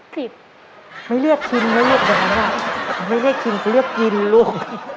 สิบไม่เลือกชิมไม่เลือกกินลูกไม่เลือกชิมก็เลือกกินลูก